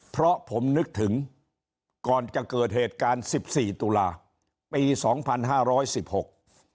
เพราะผมนึกถึงก่อนจะเกิดเหตุการณ์สิบสี่ตุลาปีสองพันห้าร้อยสิบหก